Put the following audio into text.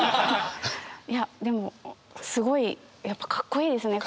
いやでもすごいやっぱかっこいいですね。